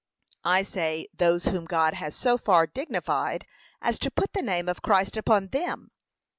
I say those whom God has so far dignified, as to put the name of Christ upon them.